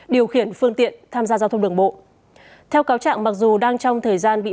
điều khiển phương tiện tham gia giao thông đường bộ theo cáo trạng mặc dù đang trong thời gian bị